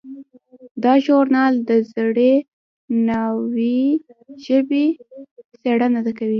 دا ژورنال د زړې ناروېي ژبې څیړنه کوي.